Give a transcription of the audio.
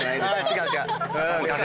違う違う。